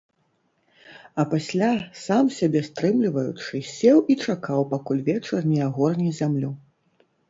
А пасля, сам сябе стрымліваючы, сеў і чакаў, пакуль вечар не агорне зямлю.